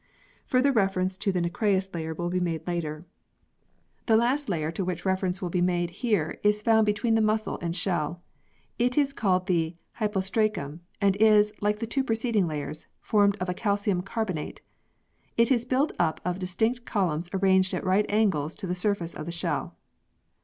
Further reference to the nacreous layer will be made later. The last layer to which reference will be made here is found between the muscle and shell. It is 24 PEARLS [CH. called the Hypostracum, and is, like the two preceding layers, formed of calcium carbonate. It is built up of distinct columns arranged at right angles to the surface of the shell.